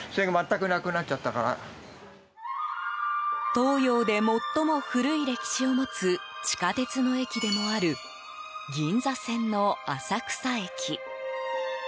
東洋で最も古い歴史を持つ地下鉄の駅でもある銀座線の浅草駅。